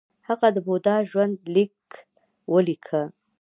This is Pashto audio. هغه د بودا ژوند لیک ولیکه